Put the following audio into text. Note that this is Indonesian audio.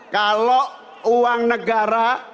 kalau uang negara